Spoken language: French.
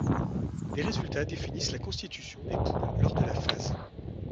Les résultats définissent la constitution des poules lors de la phase.